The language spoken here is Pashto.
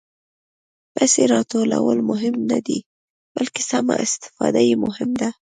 پېسې راټولول مهم نه دي، بلکې سمه استفاده یې مهمه ده.